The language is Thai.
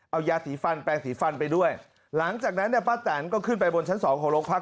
เอายาสีฟันแปลงสีฟันไปด้วยหลังจากนั้นเนี่ยป้าแตนก็ขึ้นไปบนชั้นสองของโรงพัก